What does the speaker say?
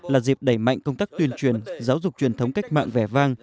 là dịp đẩy mạnh công tác tuyên truyền giáo dục truyền thống cách mạng vẻ vang